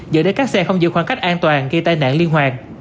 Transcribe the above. dở đến các xe không giữ khoảng cách an toàn gây tai nạn liên hoàn